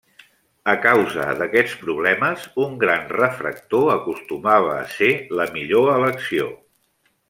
A causa d'aquests problemes, un gran refractor acostumava a ser la millor elecció.